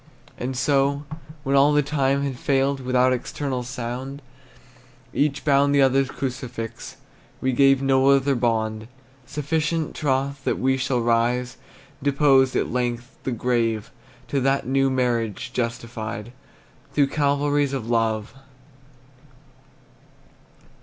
And so, when all the time had failed, Without external sound, Each bound the other's crucifix, We gave no other bond. Sufficient troth that we shall rise Deposed, at length, the grave To that new marriage, justified Through Calvaries of Love!